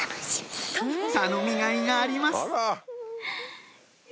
頼みがいがあります！